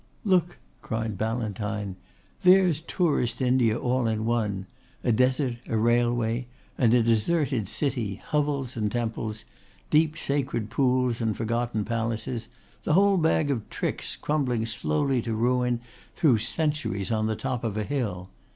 "Look!" cried Ballantyne. "There's tourist India all in one: a desert, a railway and a deserted city, hovels and temples, deep sacred pools and forgotten palaces the whole bag of tricks crumbling slowly to ruin through centuries on the top of a hill.